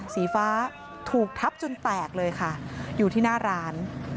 สีฟ้าถูกทับจนแตกเลยค่ะอยู่ที่หน้าร้าน